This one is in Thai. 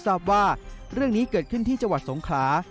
ทราบว่าเรื่องนี้เกิดขึ้นที่จังหวัดสงขลา